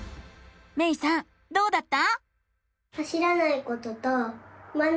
めいさんどうだった？